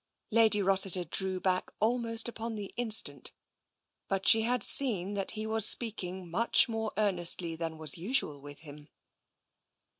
Lady Rossiter drew back almost upon the instant, but she had seen that he was speaking much more earn estly than was usual with him.